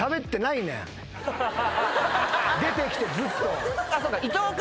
出てきてずっと。